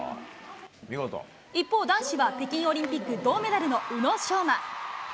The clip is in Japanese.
一方、男子は北京オリンピック銅メダルの宇野昌磨。